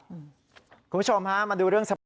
คุณผู้ชมมาดูเรื่อง